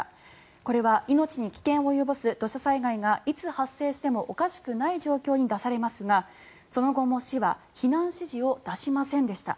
これは命に危険を及ぼす土砂災害がいつ発生してもおかしくない状況に出されますがその後も市は避難指示を出しませんでした。